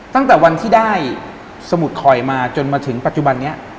ตั้งแต่วันที่ได้สมุดคอยมาจนมาถึงปัจจุบันนี้